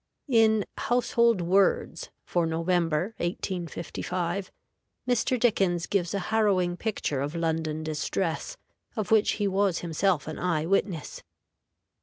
In "Household Words" for November, 1855, Mr. Dickens gives a harrowing picture of London distress, of which he was himself an eye witness.